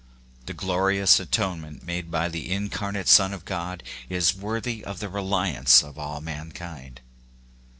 The glorious atonement made by the incarnate Son of God is worthy of the reliance of all ma!nkind.